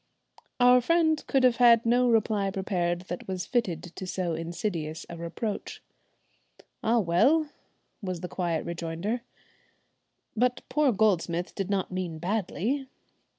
Our friend could have had no reply prepared that was fitted to so insidious a reproach. "Ah! well," was the quiet rejoinder, "but poor Goldsmith did not mean badly."